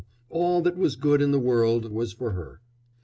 all that was good in the world was for her."